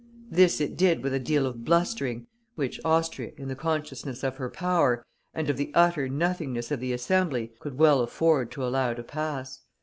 This it did with a deal of blustering, which Austria, in the consciousness of her power, and of the utter nothingness of the Assembly, could well afford to allow to pass.